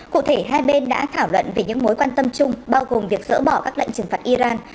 cụ thể hai bên đã thảo luận về những mối quan tâm chung bao gồm việc dỡ bỏ các lệnh trừng phạt iran